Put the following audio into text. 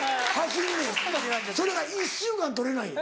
それが１週間取れない。